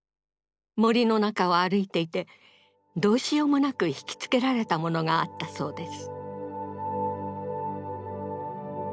森の中を歩いていてどうしようもなく引き付けられたものがあったそうです。